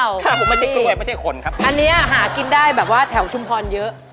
อันนี้อ่ะหากินได้แบบว่าแถวชุมพรเยอะ